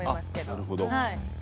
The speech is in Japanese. なるほど。